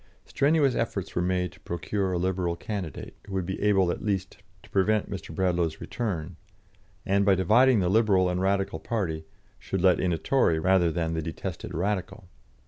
Strenuous efforts were made to procure a Liberal candidate, who would be able at least to prevent Mr. Bradlaugh's return, and, by dividing the Liberal and Radical party, should let in a Tory rather than the detested Radical.